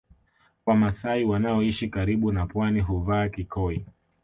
Wamasai wanaoishi karibu na Pwani huvaa kikoi